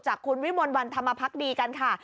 จากคุณวิมลวันธรรมพักดีกันค่ะ